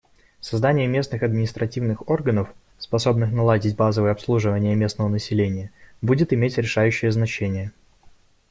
Создание местных административных органов, способных наладить базовое обслуживание местного населения, будет иметь решающее значение.